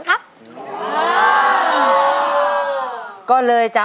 หาร้องหน่อย